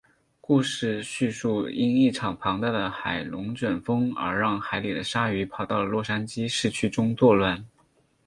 故事叙述因一场庞大的海龙卷风而让海里的鲨鱼跑到了洛杉矶市区中作乱。